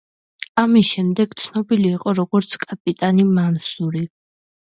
ამის შემდეგ ცნობილი იყო როგორც „კაპიტანი მანსური“.